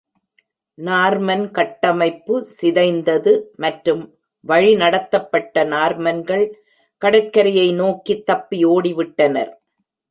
Norman கட்டமைப்பு சிதைந்தது மற்றும் வழிநடத்தப்பட்ட நார்மன்கள் கடற்கரையை நோக்கி தப்பி ஓடிவிட்டனர்.